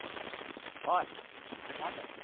おい待てって。